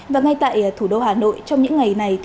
và ngay tại thủ đô hà nội trong những ngày này